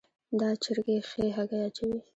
دا چرګي ښي هګۍ اچوي